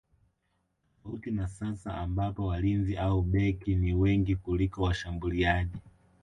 Tofauti na sasa ambapo walinzi au beki ni wengi kuliko washambuliaji